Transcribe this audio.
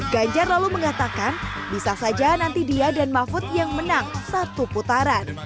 ganjar lalu mengatakan bisa saja nanti dia dan mahfud yang menang satu putaran